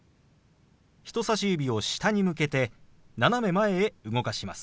人さし指を下に向けて斜め前へ動かします。